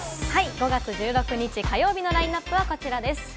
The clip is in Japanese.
５月１６日、火曜日のラインナップです。